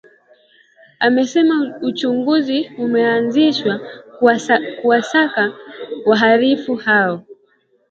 Amesema uchunguzi umeanzishwa kuwasaka wahalifu hao